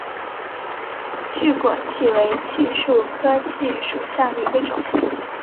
巨果槭为槭树科槭属下的一个种。